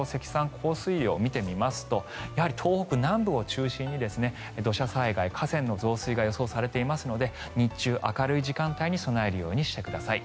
降水量を見てみますとやはり東北南部を中心に土砂災害河川の氾濫が予想されていますので日中、明るい時間帯に備えるようにしてください。